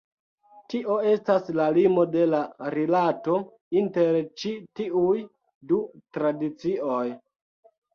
Tio estas la limo de la rilato inter ĉi tiuj du tradicioj.